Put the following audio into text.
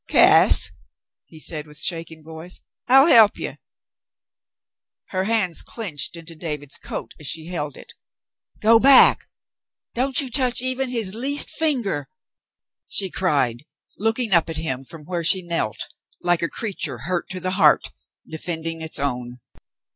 "Cass," he said, with shaking voice, "I'll he'p you." Her hands clinched into David's coat as she held it. "Go back. Don't you touch even his least finger," she cried, looking up at him from where she knelt like a crea ture hurt to the heart, defending its own.